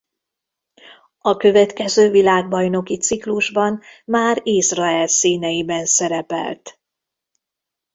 A következő világbajnoki ciklusban már Izrael színeiben szerepelt.